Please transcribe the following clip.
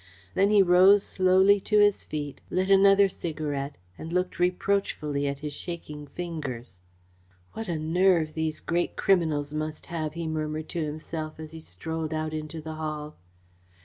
Then he rose slowly to his feet, lit another cigarette and looked reproachfully at his shaking fingers. "What a nerve these great criminals must have," he murmured to himself, as he strolled out into the hall.